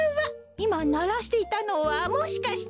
いまならしていたのはもしかして。